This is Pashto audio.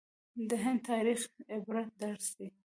د هند تاریخ د عبرت درس دی.